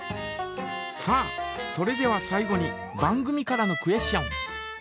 さあそれでは最後に番組からのクエスチョン。